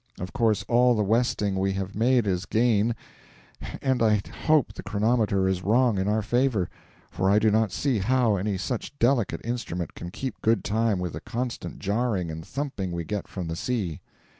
Of course all the westing we have made is gain, and I hope the chronometer is wrong in our favour, for I do not see how any such delicate instrument can keep good time with the constant jarring and thumping we get from the sea.